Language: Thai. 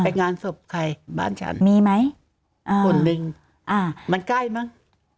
งานศพใครบ้านฉันมีไหมอ่าคนหนึ่งอ่ามันใกล้มั้ง